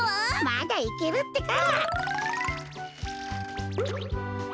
まだいけるってか！